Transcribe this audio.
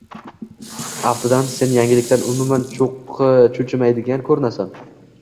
— aftidan, sen yangilikdan umuman cho‘chimaydigan ko‘rinasan